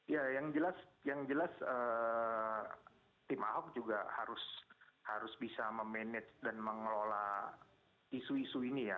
ya yang jelas tim ahok juga harus bisa memanage dan mengelola isu isu ini ya